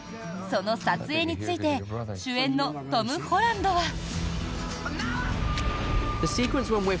その撮影について主演のトム・ホランドは。